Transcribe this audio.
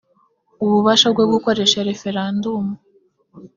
ububasha bwo gukoresha referendumu